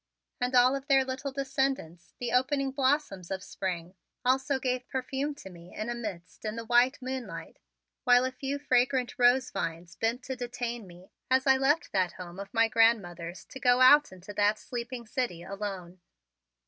And all of their little descendants, the opening blossoms of spring, also gave perfume to me in a mist in the white moonlight, while a few fragrant rose vines bent to detain me as I left that home of my grandmothers to go out into that sleeping city, alone.